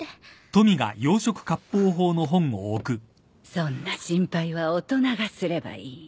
そんな心配は大人がすればいいの。